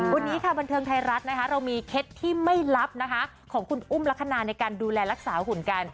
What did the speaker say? วันนี้ค่ะบันเทิงไทยรัฐนะคะเรามีเคล็ดที่ไม่ลับนะคะของคุณอุ้มลักษณะในการดูแลรักษาหุ่นกัน